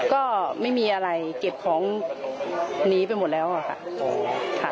ก็ไม่มีอะไรเก็บของหนีไปหมดแล้วอะค่ะ